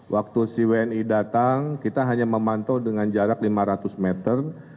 waktu si wni datang kita hanya memantau dengan jarak lima ratus meter